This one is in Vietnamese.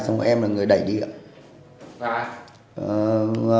xong rồi em là người đẩy điện